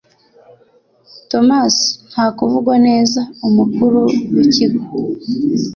thomas ntakuvugwaneza, umukuru w’ikigo